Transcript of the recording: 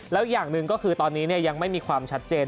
แล้วอย่างหนึ่งก็คือตอนนี้ยังไม่มีความชัดเจน